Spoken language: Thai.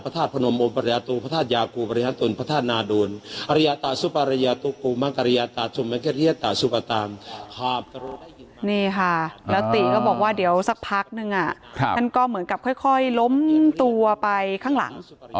ท่านก็เหมือนกับค่อยล้มตัวไปข้างหลัง